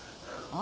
あ